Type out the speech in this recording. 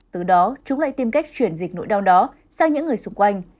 từ đó chúng lại tìm cách chuyển dịch nỗi đau đó sang những người xung quanh